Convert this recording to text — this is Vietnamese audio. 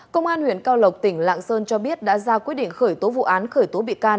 công an huyện cao lộc tỉnh lạng sơn cho biết đã ra quyết định khởi tố vụ án khởi tố bị can